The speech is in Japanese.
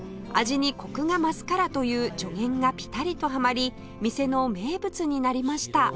味にコクが増すからという助言がピタリとはまり店の名物になりました